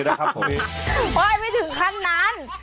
หาอะไรทำสนุกมั้ย